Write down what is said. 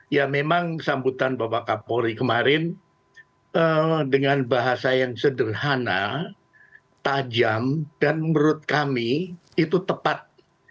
ya memang sambutan bapak kapolri kemarin dengan bahasa yang sederhana tajam dan menurut kami itu tepat